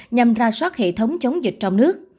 nhằm ra soát hệ thống chống dịch trong nước